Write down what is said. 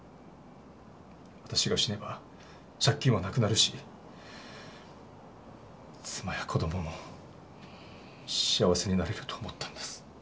私が死ねば借金はなくなるし妻や子供も幸せになれると思ったんです。